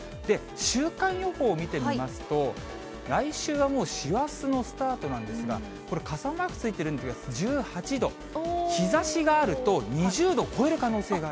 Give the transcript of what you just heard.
週間予報を見てみますと、来週はもう、師走のスタートなんですが、これ、傘マークついてるんですが、１８度、日ざしがあると、２０度１２月で？